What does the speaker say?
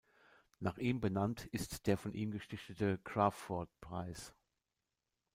Nach ihm benannt ist der von ihm gestiftete Crafoord-Preis.